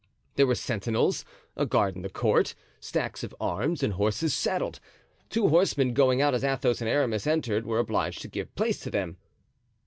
There were sentinels, a guard in the court, stacks of arms, and horses saddled. Two horsemen going out as Athos and Aramis entered were obliged to give place to them.